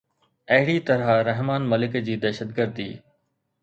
اهڙي طرح رحمان ملڪ جي دهشتگردي